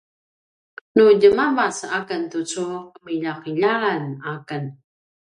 nu djemavac aken tucu ’emiya’iyalan aken